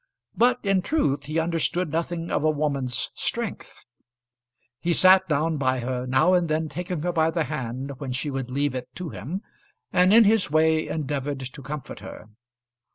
But in truth he understood nothing of a woman's strength. He sat down by her, now and then taking her by the hand when she would leave it to him, and in his way endeavoured to comfort her.